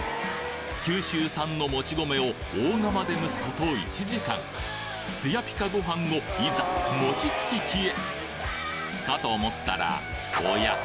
九州産のもち米を大釜で蒸すこと１時間ツヤピカご飯をいざ餅つき機へかと思ったらおや？